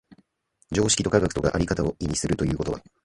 常識と科学とが在り方を異にするということは、